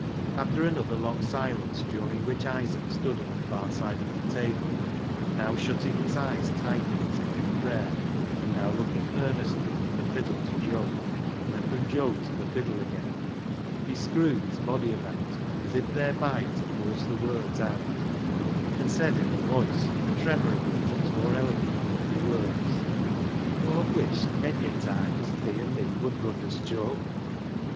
After another long silence, during which Isaac stood at the far side of the table, now shutting his eyes tightly as if in prayer, and now looking earnestly from the fiddle to Joe, and then from Joe to the fiddle again, he screwed his body about as if thereby to force the words out, and said in a voice the tremor of which was more eloquent than any words —" Aw've wuished mony a toime as thee an' me wur bruthers, Joe."